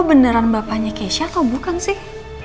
beneran bapaknya keisha atau bukan sih